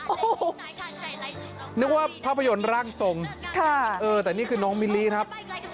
โอ้โหนึกว่าภาพยนตร์ร่างทรงแต่นี่คือน้องมิลลี่ครับ